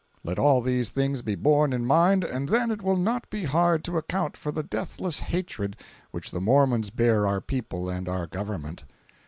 Let all these things be borne in mind, and then it will not be hard to account for the deathless hatred which the Mormons bear our people and our government.